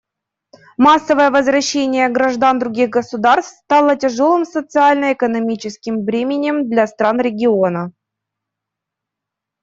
Массовое возвращение граждан других государств стало тяжелым социально-экономическим бременем для стран региона.